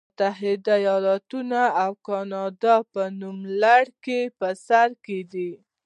متحده ایالتونه او کاناډا په نوملړ کې په سر کې دي.